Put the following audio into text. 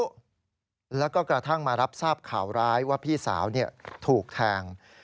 แล้วก็กระทั่งมารับทราบข่าวร้ายว่าพี่สาวถูกแทง